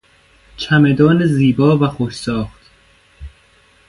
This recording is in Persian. چمدان زیبا و خوش ساخت